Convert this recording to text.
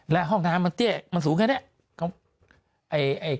และห้องน้ำมันเตี้ยมันสูงแค่นี้